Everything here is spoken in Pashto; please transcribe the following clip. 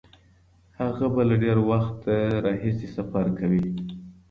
هغه به له ډیر وخت راهیسې سفر کوي.